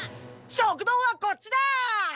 食堂はこっちだ！